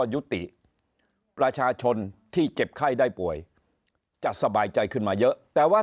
ยุติประชาชนที่เจ็บไข้ได้ป่วยจะสบายใจขึ้นมาเยอะแต่ว่า